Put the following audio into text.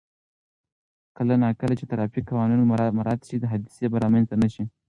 کله نا کله چې ترافیک قانون مراعت شي، حادثې به رامنځته نه شي.